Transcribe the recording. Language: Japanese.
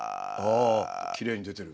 きれいに出てる。